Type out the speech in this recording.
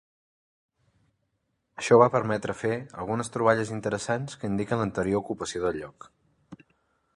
Això va permetre fer algunes troballes interessants que indiquen l'anterior ocupació del lloc.